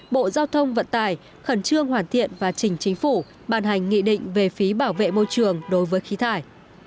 bộ giao thông vận tải khẩn trương hoàn thiện và chỉnh chính phủ bàn hành nghị định về phí bảo vệ môi trường đối với khí thải